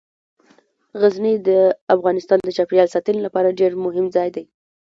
غزني د افغانستان د چاپیریال ساتنې لپاره ډیر مهم ځای دی.